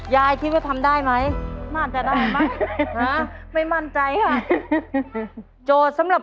ยายคิดว่าทำได้ไหมมั่นใจได้ไหมไม่มั่นใจค่ะโจทย์สำหรับ